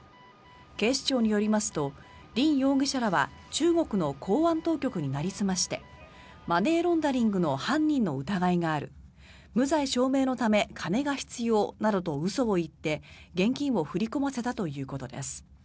警視庁によりますとリン容疑者らは中国の公安当局になりすましてマネーロンダリングの犯人の疑いがある無罪証明のため金が必要などと嘘を言って現金を振り込ませたということです。